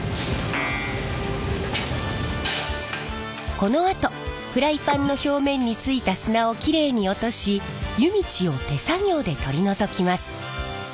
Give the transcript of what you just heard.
このあとフライパンの表面についた砂をきれいに落とし湯道を手作業で取り除きます。